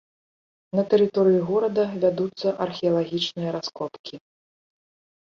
На тэрыторыі горада вядуцца археалагічныя раскопкі.